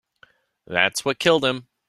That's what killed him.